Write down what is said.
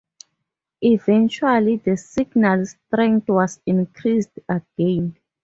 Eventually, the signal's strength was increased again.